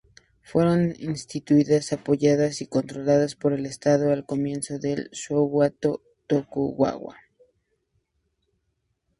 Fueron instituidas, apoyadas y controladas por el Estado, al comienzo del shogunato Tokugawa.